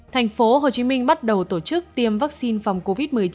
tp hcm bắt đầu tổ chức tiêm vaccine phòng covid một mươi chín